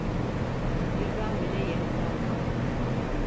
Birdenbire yerinden kalktı.